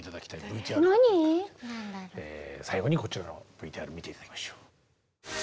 最後にこちらのＶＴＲを見て頂きましょう。